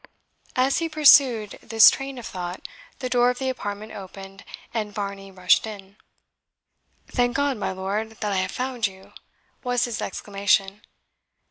As he pursued this train of thought, the door of the apartment opened, and Varney rushed in. "Thank God, my lord, that I have found you!" was his exclamation.